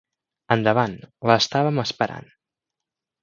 Endavant, l'estàvem esperant.